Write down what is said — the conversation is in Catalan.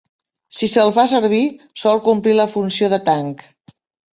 Si se'l fa servir, sol complir la funció de tanc.